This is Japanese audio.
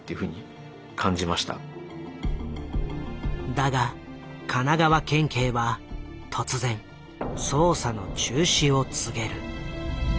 だが神奈川県警は突然捜査の中止を告げる。